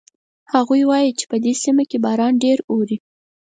هغوی وایي چې په دې سیمه کې باران ډېر اوري